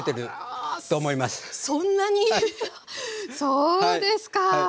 そうですか。